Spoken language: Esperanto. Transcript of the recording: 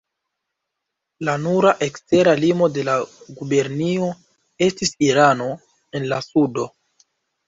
La nura ekstera limo de la gubernio estis Irano, en la sudo.